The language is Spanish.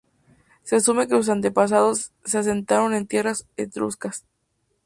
Se asume que sus antepasados se asentaron en tierras etruscas.